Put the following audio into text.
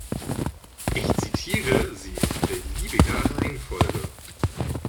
Ich zitiere sie in beliebiger Reihenfolge.